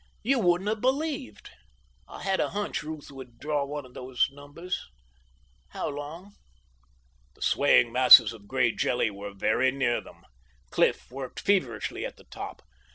You wouldn't have believed. I had a hunch Ruth would draw one of those numbers.... How long?" The swaying masses of gray jelly were very near them. Cliff worked feverishly at the top.